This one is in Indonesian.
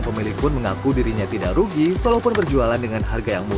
tempat makan ini buka sejak enam belas tahun yang lalu